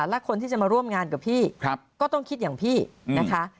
และคนที่จะมาร่วมงานกับพี่ก็ต้องคิดอย่างพี่นะคะ